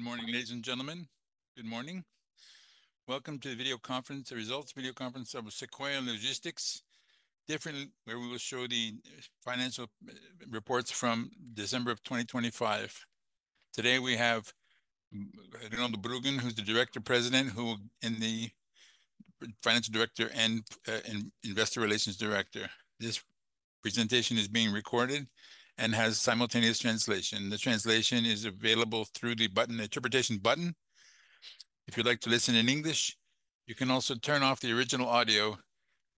Good morning, ladies and gentlemen. Good morning. Welcome to the results video conference of Sequoia Logistics, where we will show the financial reports from December of 2025. Today we have Leopoldo Bruggen, who's the Director, President, and the Financial Director and Investor Relations Director. This presentation is being recorded and has simultaneous translation. The translation is available through the interpretation button. If you'd like to listen in English, you can also turn off the original audio,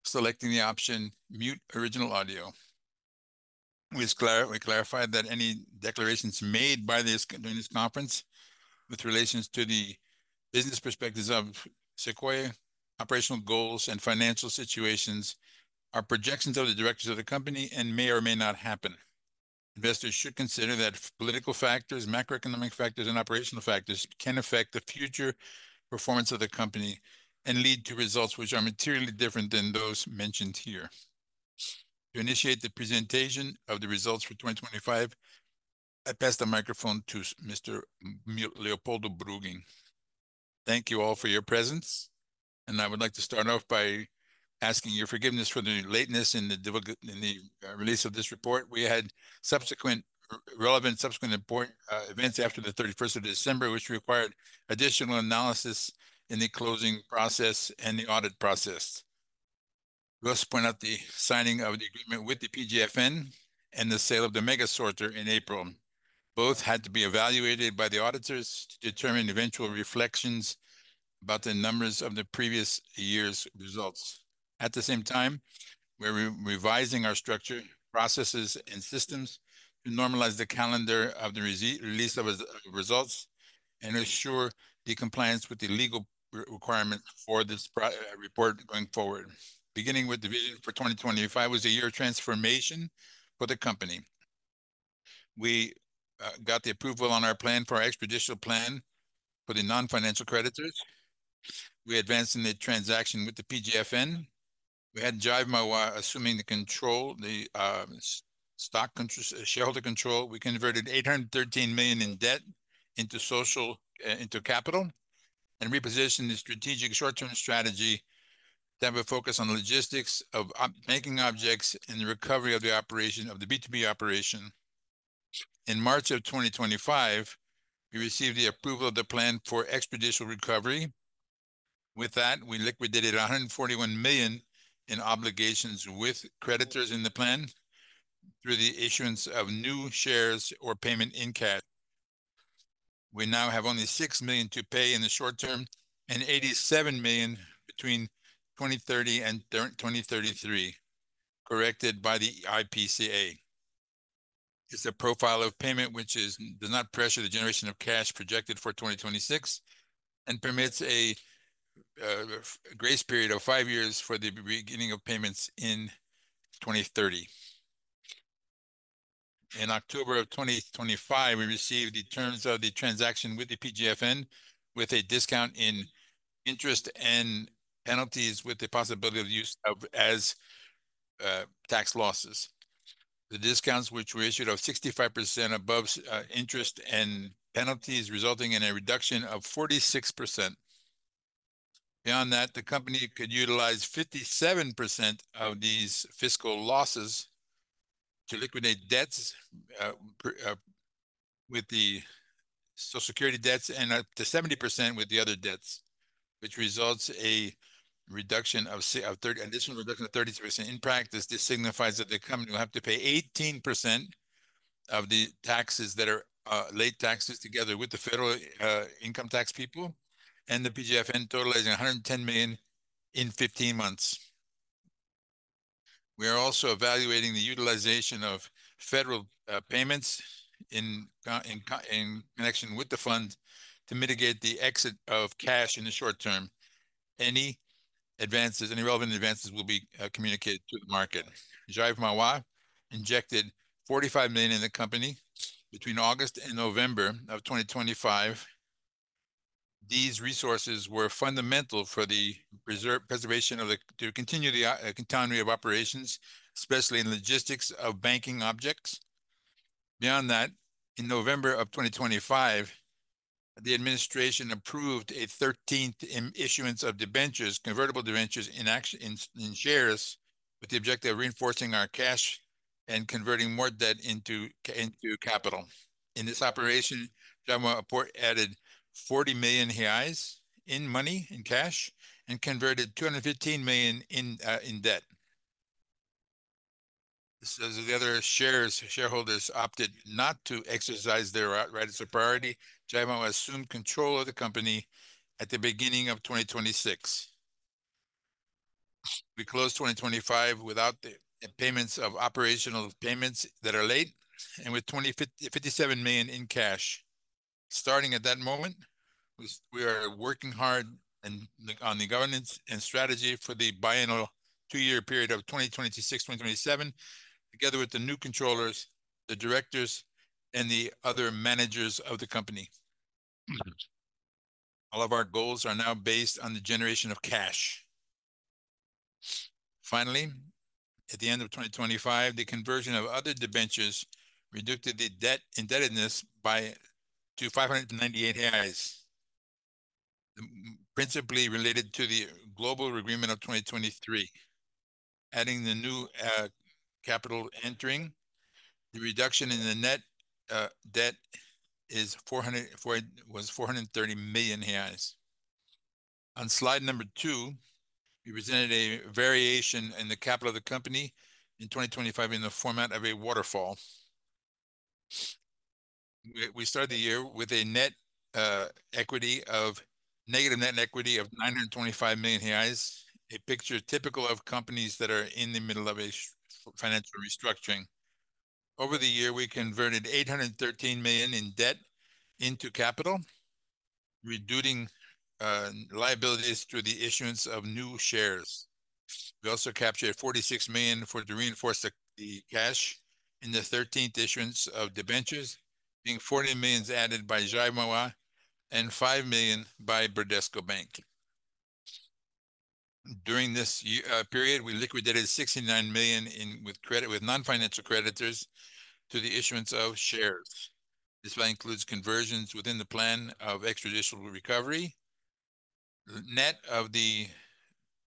selecting the option mute original audio. We clarify that any declarations made during this conference with relations to the business perspectives of Sequoia, operational goals, and financial situations are projections of the directors of the company and may or may not happen. Investors should consider that political factors, macroeconomic factors, and operational factors can affect the future performance of the company and lead to results which are materially different than those mentioned here. To initiate the presentation of the results for 2025, I pass the microphone to Mr. Leopoldo Bruggen. Thank you all for your presence, and I would like to start off by asking your forgiveness for the lateness in the release of this report. We had relevant subsequent important events after the 31st of December, which required additional analysis in the closing process and the audit process. We also point out the signing of the agreement with the PGFN and the sale of the mega sorter in April. Both had to be evaluated by the auditors to determine eventual reflections about the numbers of the previous year's results. At the same time, we're revising our structure, processes, and systems to normalize the calendar of the release of results and ensure the compliance with the legal requirement for this report going forward. Beginning with the vision for 2025 was a year of transformation for the company. We got the approval on our plan for our extrajudicial plan for the non-financial creditors. We advanced in the transaction with the PGFN. We had JiveMauá assuming the shareholder control. We converted 813 million in debt into capital and repositioned the strategic short-term strategy to have a focus on logistics of banking objects and the recovery of the B2B operation. In March of 2025, we received the approval of the plan for extrajudicial recovery. With that, we liquidated 141 million in obligations with creditors in the plan through the issuance of new shares or payment in cash. We now have only 6 million to pay in the short term and 87 million between 2030 and 2033, corrected by the IPCA. It's a profile of payment which does not pressure the generation of cash projected for 2026 and permits a grace period of five years for the beginning of payments in 2030. In October of 2025, we received the terms of the transaction with the PGFN, with a discount in interest and penalties with the possibility of use as tax losses. The discounts which were issued of 65% above interest and penalties, resulting in a reduction of 46%. Beyond that, the company could utilize 57% of these fiscal losses to liquidate debts with the Social Security debts and up to 70% with the other debts, which results an additional reduction of 33%. In practice, this signifies that the company will have to pay 18% of the taxes that are late taxes together with the federal income tax people and the PGFN totalizing 110 million in 15 months. We are also evaluating the utilization of federal payments in connection with the fund to mitigate the exit of cash in the short term. Any relevant advances will be communicated to the market. JiveMauá injected 45 million in the company between August and November of 2025. These resources were fundamental for the continuity of operations, especially in logistics of banking objects. Beyond that, in November of 2025, the administration approved a 13th issuance of debentures, convertible debentures in shares, with the objective of reinforcing our cash and converting more debt into capital. In this operation, JiveMauá added 40 million reais in money, in cash, and converted 215 million in debt. As the other shareholders opted not to exercise their right of priority, JiveMauá assumed control of the company at the beginning of 2026. We closed 2025 without the payments of operational payments that are late and with 257 million in cash. Starting at that moment, we are working hard on the governance and strategy for the biennial two-year period of 2026-2027, together with the new controllers, the directors, and the other managers of the company. All of our goals are now based on the generation of cash. Finally, at the end of 2025, the conversion of other debentures reduced the debt indebtedness to 598 million reais, principally related to the global agreement of 2023. Adding the new capital entering, the reduction in the net debt was 430 million reais. On slide number two, we presented a variation in the capital of the company in 2025 in the format of a waterfall. We started the year with a negative net equity of 925 million, a picture typical of companies that are in the middle of a financial restructuring. Over the year, we converted 813 million in debt into capital, reducing liabilities through the issuance of new shares. We also captured 46 million to reinforce the cash in the 13th issuance of debentures, being 40 million added by JiveMauá and 5 million by Bradesco Bank. During this period, we liquidated 69 million with non-financial creditors to the issuance of shares. This value includes conversions within the plan of extrajudicial recovery, net of the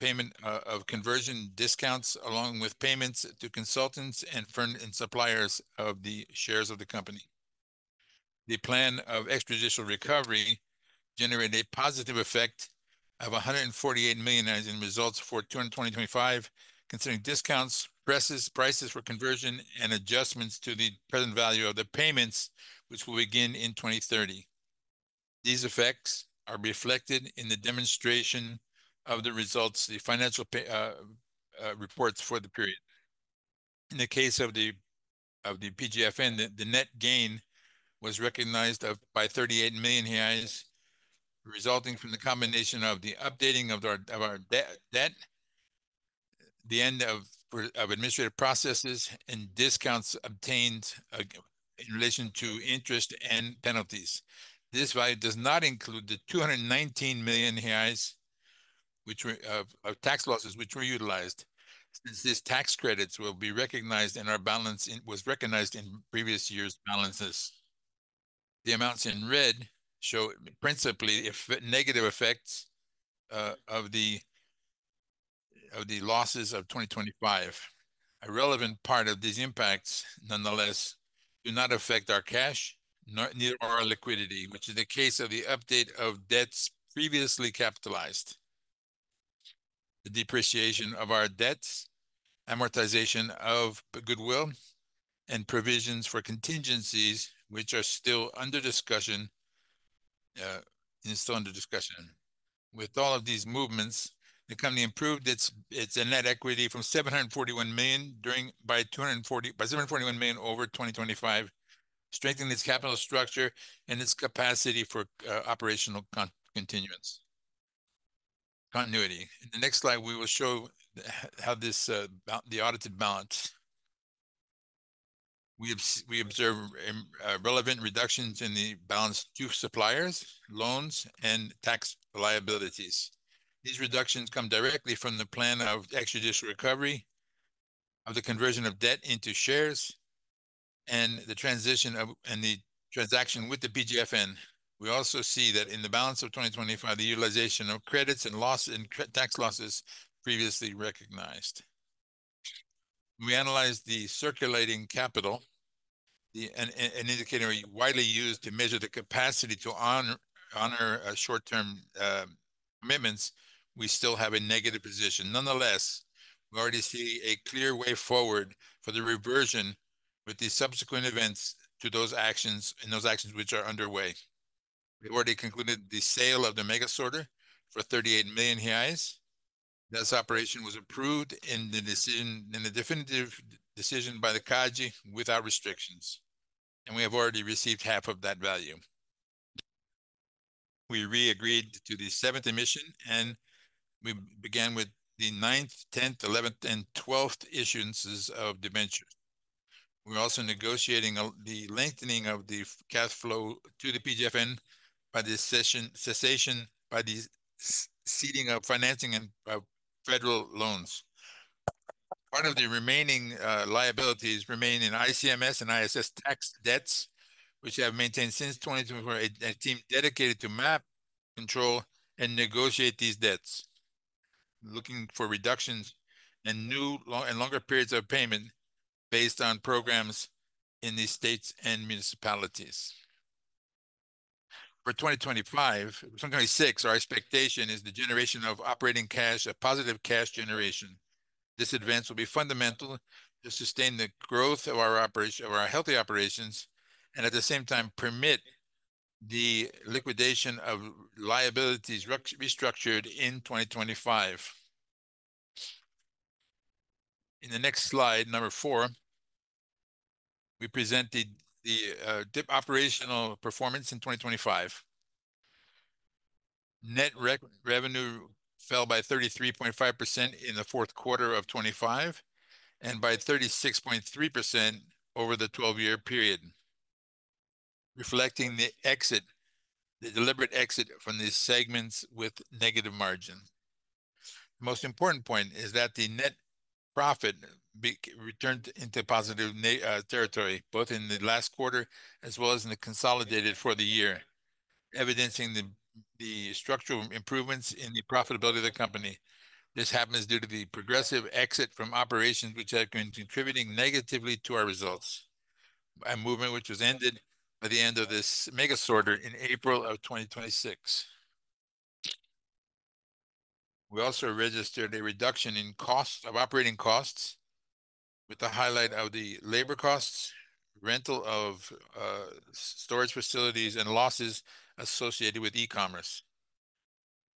payment of conversion discounts, along with payments to consultants and suppliers of the shares of the company. The plan of extrajudicial recovery generated a positive effect of 148 million in results for 2025, considering discounts, prices for conversion, and adjustments to the present value of the payments, which will begin in 2030. These effects are reflected in the demonstration of the results, the financial reports for the period. In the case of the PGFN, the net gain was recognized by 38 million reais, resulting from the combination of the updating of our debt, the end of administrative processes, and discounts obtained in relation to interest and penalties. This value does not include the 219 million reais of tax losses which were utilized, since these tax credits was recognized in previous year's balances. The amounts in red show principally negative effects of the losses of 2025. A relevant part of these impacts, nonetheless, do not affect our cash, neither our liquidity, which is the case of the update of debts previously capitalized. The depreciation of our debts, amortization of goodwill, and provisions for contingencies, which are still under discussion. With all of these movements, the company improved its net equity by 741 million over 2025, strengthening its capital structure and its capacity for operational continuance. Continuity. In the next slide, we will show the audited balance. We observe relevant reductions in the balance due to suppliers, loans, and tax liabilities. These reductions come directly from the plan of extrajudicial recovery, of the conversion of debt into shares, and the transaction with the PGFN. We also see that in the balance of 2025, the utilization of credits and tax losses previously recognized. We analyzed the circulating capital, an indicator widely used to measure the capacity to honor short-term commitments, we still have a negative position. Nonetheless, we already see a clear way forward for the reversion with the subsequent events to those actions, and those actions which are underway. We already concluded the sale of the mega sorter for 38 million reais. This operation was approved in the definitive decision by the CADE without restrictions, and we have already received half of that value. We re-agreed to the seventh emission, and we began with the 9th, 10th, 11th, and 12th issuances of debentures. We're also negotiating the lengthening of the cash flow to the PGFN by the cessation, by the ceding of financing of federal loans. Part of the remaining liabilities remain in ICMS and ISS tax debts, which have maintained since 2024, a team dedicated to map, control, and negotiate these debts, looking for reductions and longer periods of payment based on programs in the states and municipalities. For 2026, our expectation is the generation of operating cash, a positive cash generation. This advance will be fundamental to sustain the growth of our healthy operations and at the same time permit the liquidation of liabilities restructured in 2025. In the next slide, number four, we presented the operational performance in 2025. Net revenue fell by 33.5% in the fourth quarter of 2025 and by 36.3% over the 12-year period, reflecting the deliberate exit from the segments with negative margin. The most important point is that the net profit returned into positive territory, both in the last quarter as well as in the consolidated for the year, evidencing the structural improvements in the profitability of the company. This happens due to the progressive exit from operations which had been contributing negatively to our results. A movement which was ended by the end of this mega sorter in April of 2026. We also registered a reduction in operating costs with the highlight of the labor costs, rental of storage facilities, and losses associated with e-commerce.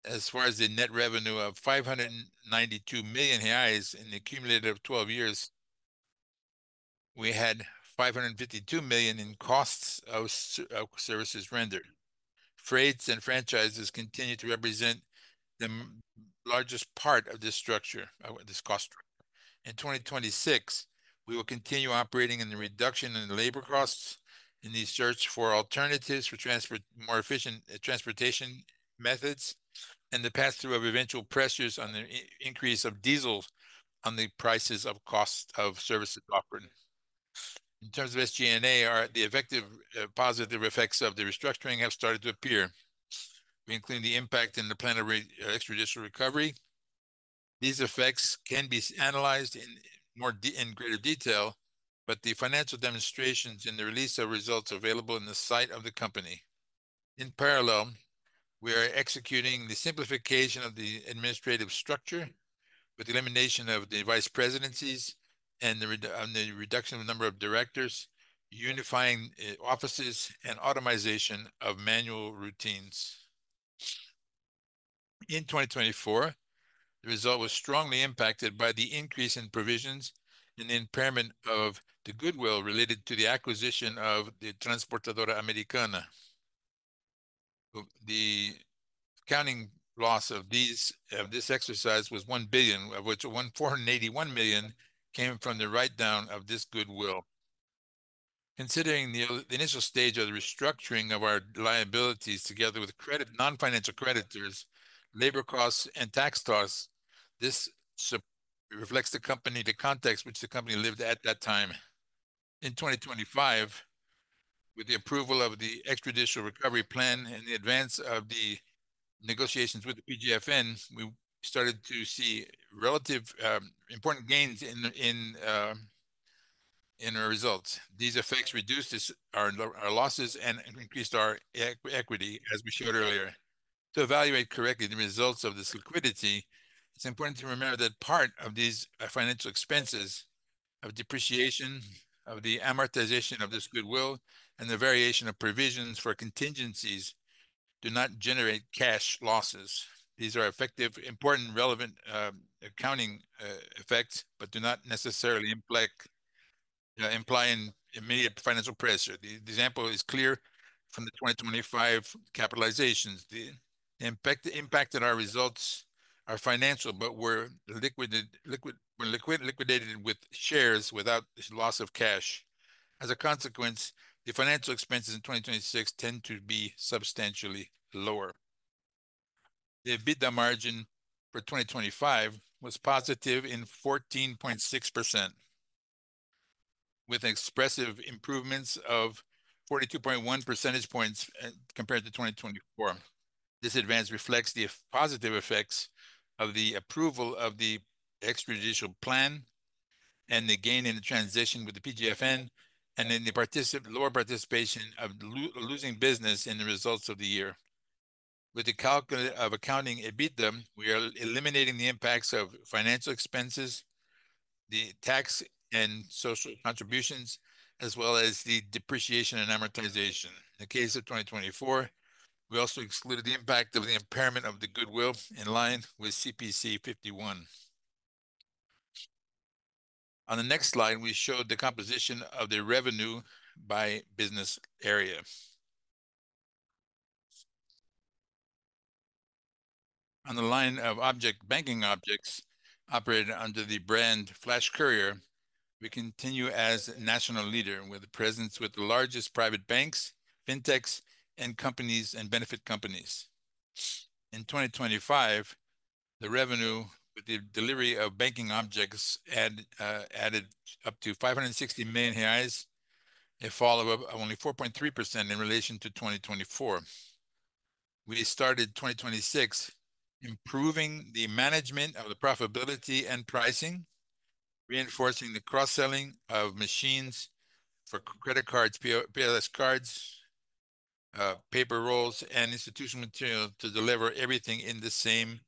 As far as the net revenue of 592 million reais in the cumulative 12 years, we had 552 million in costs of services rendered. Freights and franchises continue to represent the largest part of this cost structure. In 2026, we will continue operating in the reduction in labor costs in the search for alternatives for more efficient transportation methods, and the pass-through of eventual pressures on the increase of diesel on the prices of cost of services offered. In terms of SG&A, the positive effects of the restructuring have started to appear, including the impact in the plan of extrajudicial recovery. These effects can be analyzed in greater detail, but the financial demonstrations in the release of results available in the site of the company. In parallel, we are executing the simplification of the administrative structure with the elimination of the vice presidencies and the reduction of number of directors, unifying offices and automatization of manual routines. In 2024, the result was strongly impacted by the increase in provisions and the impairment of the goodwill related to the acquisition of the Transportadora Americana. The accounting loss of this exercise was 1 billion, of which 481 million came from the write-down of this goodwill. Considering the initial stage of the restructuring of our liabilities together with non-financial creditors, labor costs, and tax costs, this reflects the context which the company lived at that time. In 2025, with the approval of the extrajudicial recovery plan and the advance of the negotiations with the PGFN, we started to see relative important gains in our results. These effects reduced our losses and increased our equity, as we showed earlier. To evaluate correctly the results of this liquidity, it's important to remember that part of these financial expenses of depreciation, of the amortization of this goodwill, and the variation of provisions for contingencies do not generate cash losses. These are effective, important, relevant accounting effects, but do not necessarily imply immediate financial pressure. The example is clear from the 2025 capitalizations. They impacted our results are financial, but were liquidated with shares without loss of cash. As a consequence, the financial expenses in 2026 tend to be substantially lower. The EBITDA margin for 2025 was positive in 14.6%, with expressive improvements of 42.1 percentage points compared to 2024. This advance reflects the positive effects of the approval of the extrajudicial plan and the gain in the transition with the PGFN, and then the lower participation of losing business in the results of the year. With the calculate of accounting EBITDA, we are eliminating the impacts of financial expenses, the tax and social contributions, as well as the depreciation and amortization. In the case of 2024, we also excluded the impact of the impairment of the goodwill in line with CPC 01. On the next slide, we showed the composition of the revenue by business area. On the line of banking objects operated under the brand Flash Courier, we continue as a national leader with a presence with the largest private banks, fintechs, and benefit companies. In 2025, the revenue with the delivery of banking objects added up to 560 million reais, a fall of only 4.3% in relation to 2024. We started 2026 improving the management of the profitability and pricing, reinforcing the cross-selling of machines for credit cards, POS cards, paper rolls, and institution material to deliver everything in the same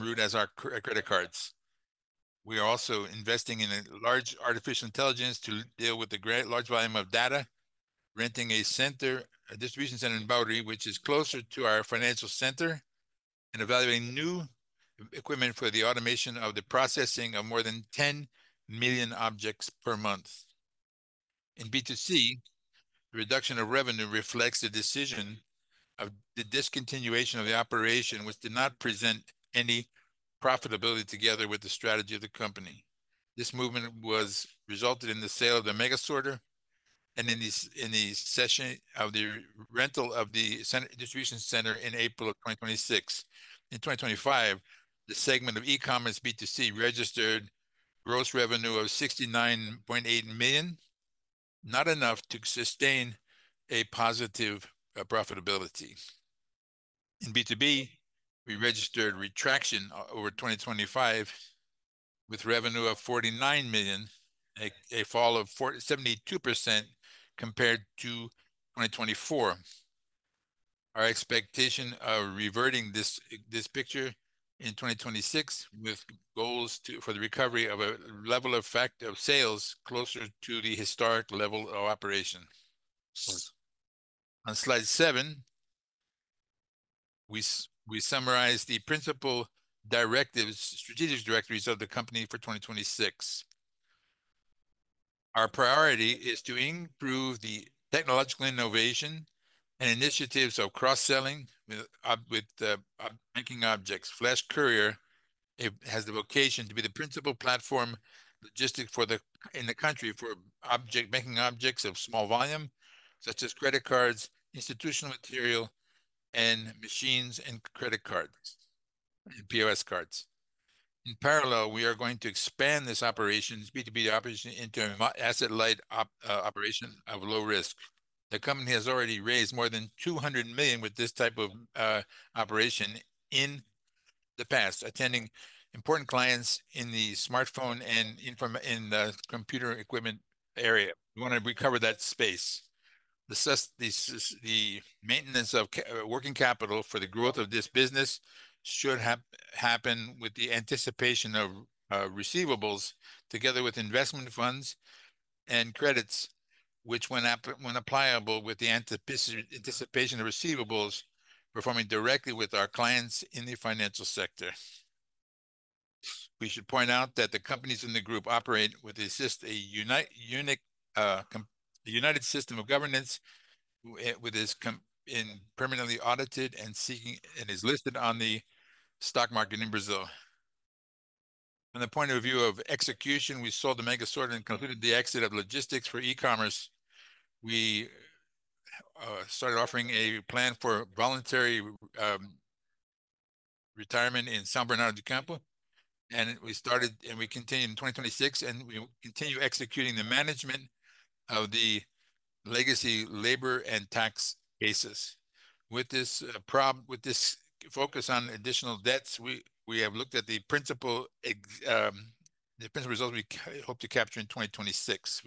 route as our credit cards. We are also investing in a large artificial intelligence to deal with the large volume of data, renting a distribution center in Barueri, which is closer to our financial center, and evaluating new equipment for the automation of the processing of more than 10 million objects per month. In B2C, the reduction of revenue reflects the decision of the discontinuation of the operation, which did not present any profitability together with the strategy of the company. This movement resulted in the sale of the mega sorter and in the rental of the distribution center in April 2026. In 2025, the segment of e-commerce B2C registered gross revenue of 69.8 million, not enough to sustain a positive profitability. In B2B, we registered retraction over 2025 with revenue of 49 million, a fall of 72% compared to 2024. Our expectation of reverting this picture in 2026 with goals for the recovery of a level of sales closer to the historic level of operation. On slide seven, we summarize the principal strategic directories of the company for 2026. Our priority is to improve the technological innovation and initiatives of cross-selling with the banking objects. Flash Courier, it has the vocation to be the principal platform logistic in the country for banking objects of small volume, such as credit cards, institutional material, and machines and credit cards, and POS cards. In parallel, we are going to expand this B2B operation into asset light operation of low risk. The company has already raised more than 200 million with this type of operation in the past, attending important clients in the smartphone and in the computer equipment area. We want to recover that space. The maintenance of working capital for the growth of this business should happen with the anticipation of receivables together with investment funds and credits, which when applicable, with the anticipation of receivables, performing directly with our clients in the financial sector. We should point out that the companies in the group operate with a united system of governance, permanently audited and is listed on the stock market in Brazil. From the point of view of execution, we sold the mega sorter and concluded the exit of logistics for e-commerce. We started offering a plan for voluntary retirement in São Bernardo do Campo. We continue in 2026, and we continue executing the management of the legacy labor and tax bases. With this focus on additional debts, we have looked at the principal results we hope to capture in 2026.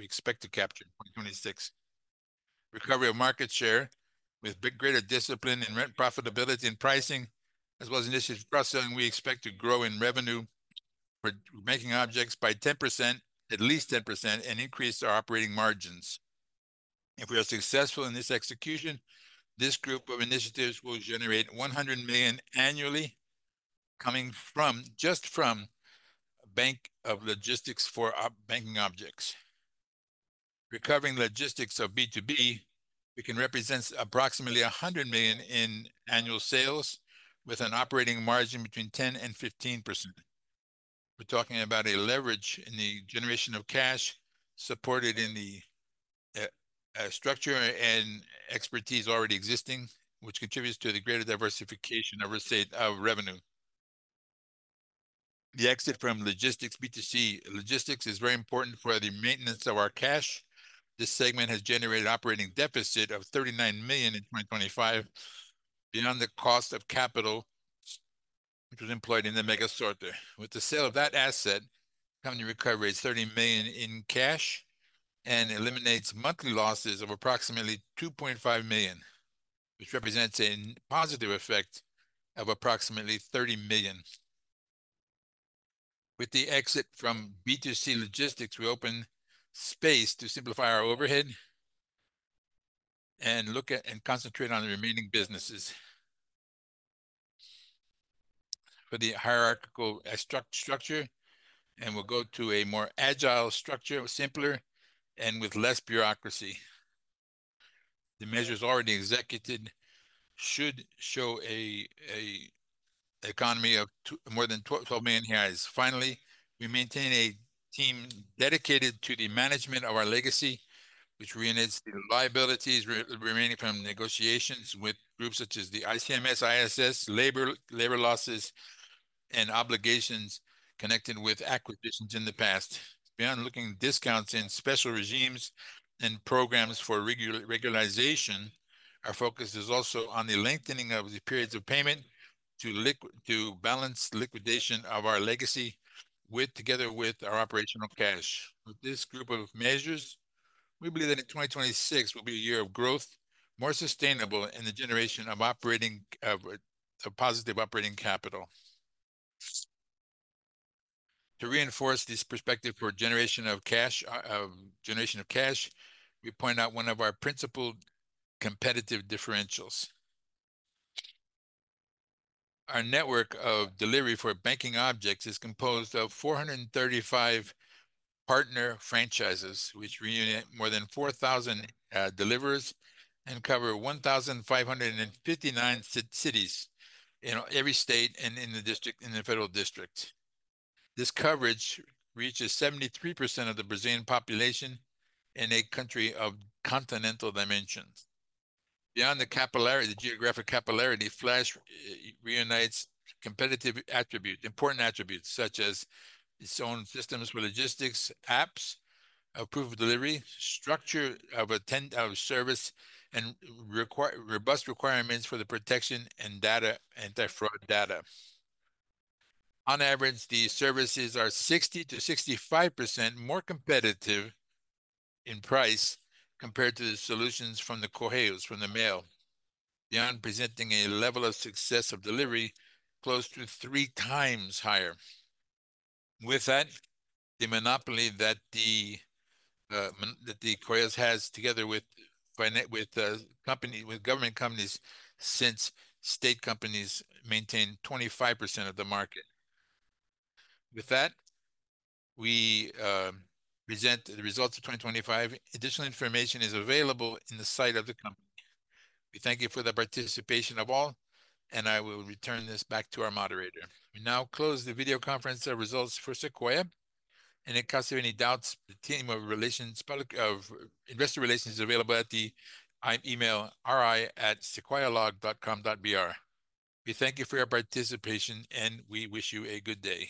Recovery of market share with greater discipline and profitability in pricing, as well as initiatives for upselling, we expect to grow in revenue for banking objects by 10%, at least 10%, and increase our operating margins. If we are successful in this execution, this group of initiatives will generate 100 million annually coming just from bank of logistics for banking objects. Recovering logistics of B2B, it can represent approximately 100 million in annual sales with an operating margin between 10% and 15%. We're talking about a leverage in the generation of cash supported in the structure and expertise already existing, which contributes to the greater diversification of revenue. The exit from logistics, B2C logistics is very important for the maintenance of our cash. This segment has generated operating deficit of 39 million in 2025, beyond the cost of capital which was employed in the mega sorter. With the sale of that asset, company recovers 30 million in cash and eliminates monthly losses of approximately 2.5 million, which represents a positive effect of approximately 30 million. With the exit from B2C logistics, we open space to simplify our overhead and concentrate on the remaining businesses. For the hierarchical structure, we'll go to a more agile structure, simpler and with less bureaucracy. The measures already executed should show an economy of more than 12 million. Finally, we maintain a team dedicated to the management of our legacy, which renegotiates the liabilities remaining from negotiations with groups such as the ICMS, ISS, labor losses, and obligations connected with acquisitions in the past. Beyond looking at discounts in special regimes and programs for regularization, our focus is also on the lengthening of the periods of payment to balance liquidation of our legacy together with our operational cash. With this group of measures, we believe that 2026 will be a year of growth, more sustainable in the generation of positive operating capital. To reinforce this perspective for generation of cash, we point out one of our principal competitive differentials. Our network of delivery for banking objects is composed of 435 partner franchises, which reunite more than 4,000 deliverers and cover 1,559 cities in every state and in the federal district. This coverage reaches 73% of the Brazilian population in a country of continental dimensions. Beyond the geographic capillarity, Flash reunites competitive attributes, important attributes such as its own systems for logistics, apps, proof of delivery, structure of service, and robust requirements for the protection and data anti-fraud. On average, these services are 60%-65% more competitive in price compared to the solutions from the Correios, from the mail. Beyond presenting a level of success of delivery close to three times higher. The monopoly that the Correios has together with government companies, since state companies maintain 25% of the market. We present the results of 2025. Additional information is available in the site of the company. We thank you for the participation of all, and I will return this back to our moderator. We now close the video conference results for Sequoia. In case of any doubts, the team of Investor Relations is available at the email ri@sequoialog.com.br. We thank you for your participation, and we wish you a good day.